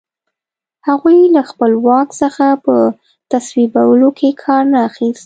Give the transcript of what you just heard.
هغوی له خپل واک څخه په تصویبولو کې کار نه اخیست.